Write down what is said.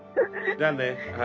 じゃあねはい。